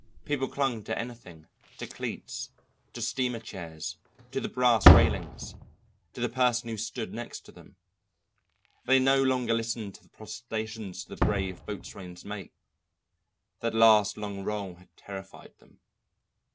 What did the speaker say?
People clung to anything, to cleats, to steamer chairs, to the brass railings, to the person who stood next to them. They no longer listened to the protestations of the brave boatswain's mate; that last long roll had terrified them.